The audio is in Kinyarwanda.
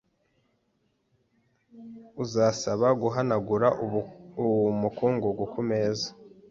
Uzasaba guhanagura umukungugu kumeza?